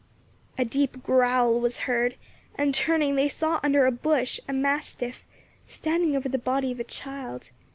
A deep growl was heard, and turning they saw under a bush a mastiff, standing over the body of a child.